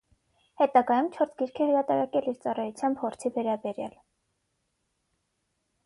Հետագայում չորս գիրք է հրատարակել իր ծառայության փորձի վերաբերյալ։